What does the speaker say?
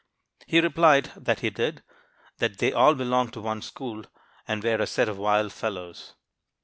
He replied that he did; that they all belonged to one school, and were a set of wild fellows.